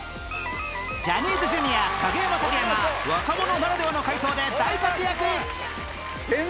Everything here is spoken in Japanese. ジャニーズ Ｊｒ． 影山拓也が若者ならではの解答で大活躍！